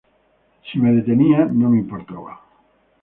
Si me detenían, no me importaba.